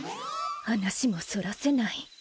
話もそらせない